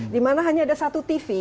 di mana hanya ada satu tv